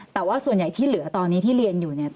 แต่ว่าส่วนใหญ่ที่เหลือตอนนี้ที่เรียนอยู่เนี่ย